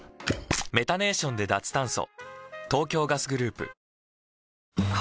メタネーションで脱炭素。